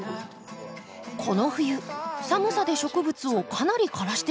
この冬寒さで植物をかなり枯らしてしまったんだとか。